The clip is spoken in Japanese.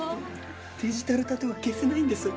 デジタルタトゥーは消せないんです。